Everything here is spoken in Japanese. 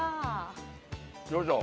よいしょ。